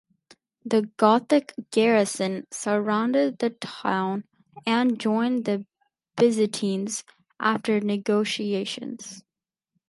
The Gothic garrison surrendered the town and joined the Byzantines after negotiations.